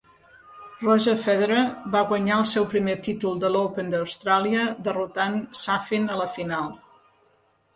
Roger Federer va guanyar el seu primer títol de l'Open d'Austràlia, derrotant Safin a la final.